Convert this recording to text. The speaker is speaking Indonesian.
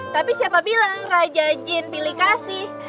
tapi siapa bilang raja jin pilih kasih